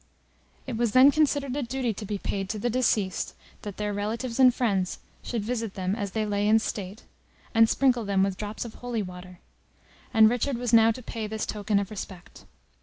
It was then considered a duty to be paid to the deceased, that their relatives and friends should visit them as they lay in state, and sprinkle them with drops of holy water, and Richard was now to pay this token of respect.